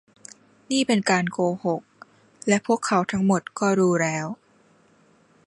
นี่เป็นการโกหก และพวกเขาทั้งหมดก็รู้แล้ว